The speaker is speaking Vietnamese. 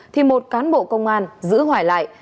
thì một cán bộ công an giữ hoài lại